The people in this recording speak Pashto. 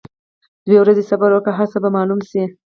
دوه ورځي صبر وکړه هرڅۀ به معلوم شي.